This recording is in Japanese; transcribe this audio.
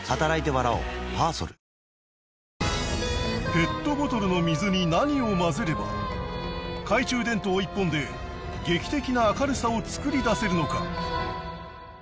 ペットボトルの水に何を混ぜれば懐中電灯一本で劇的な明るさを作り出せるのか？